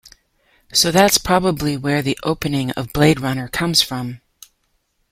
So that’s probably where the opening of "Blade Runner" comes from.